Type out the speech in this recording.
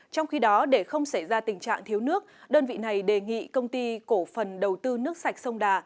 trong khi đó để không xảy ra tình trạng thiếu nước đơn vị này đề nghị công ty cổ phần đầu tư nước sạch sông đà